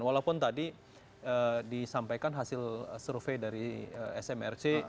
walaupun tadi disampaikan hasil survei dari smrc